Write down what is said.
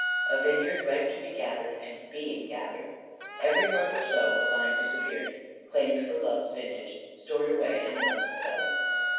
A vineyard ripe to be gathered and being gathered! Every month or so a vine disappeared claimed for Love's vintage stored away in Love's cellar.